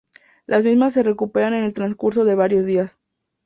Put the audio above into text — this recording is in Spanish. Las mismas se recuperaron en el transcurso de varios días.